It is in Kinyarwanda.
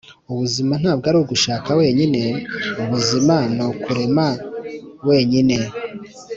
“ubuzima ntabwo ari ugushaka wenyine. ubuzima ni ukurema wenyine.